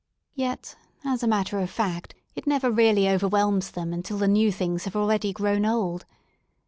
Yet, as a matter of fact, it ne\^er really overwhelms them until the new things have already grown old.